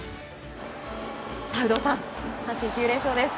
有働さん、阪神９連勝です。